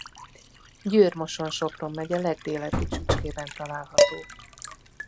Győr-Moson-Sopron megye legdélebbi csücskében található.